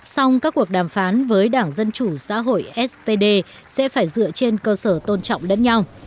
song các cuộc đàm phán với đảng dân chủ xã hội spd sẽ phải dựa trên cơ sở tôn trọng lẫn nhau